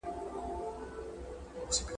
زما له قامه څخه هیري افسانې کړې د قرنونو ,